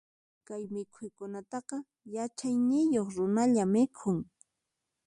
Kay mikhuykunataqa, yachayniyuq runalla mikhun.